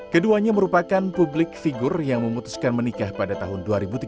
keduanya merupakan publik figur yang memutuskan menikah pada tahun dua ribu tiga belas